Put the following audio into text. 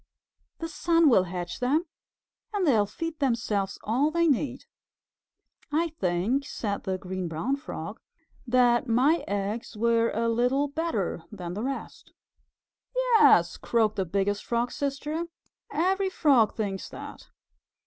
The sun will hatch them and they will feed themselves all they need." "I think," said the Green Brown Frog, "that my eggs were a little better than the rest." "Yes," croaked the Biggest Frog's Sister, "every Frog thinks that."